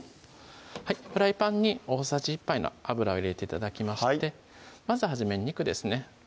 フライパンに大さじ１杯の油を入れて頂きましてまず初めに肉ですね